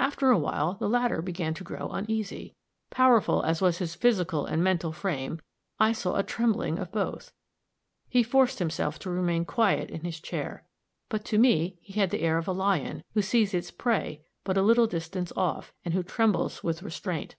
After a while, the latter began to grow uneasy; powerful as was his physical and mental frame, I saw a trembling of both; he forced himself to remain quiet in his chair but to me he had the air of a lion, who sees its prey but a little distance off, and who trembles with restraint.